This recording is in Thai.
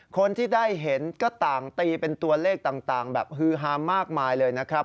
คนที่ได้เห็นก็ต่างตีเป็นตัวเลขต่างแบบฮือฮามากมายเลยนะครับ